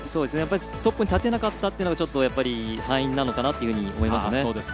トップに立てなかったというのが敗因なのかなと思いますよね。